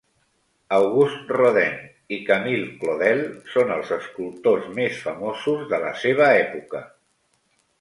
Auguste Rodin i Camille Claudel són els escultors més famosos de la seva època.